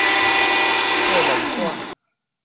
硩墓紙